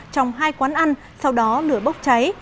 trong hai quán ăn sau đó lửa bốc cháy